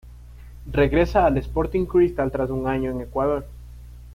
Regresa al Sporting Cristal tras un año en Ecuador.